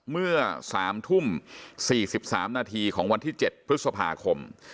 เมื่อ๓ทุ่ม๔๓นาทีของวันที่๗พฤษภาคม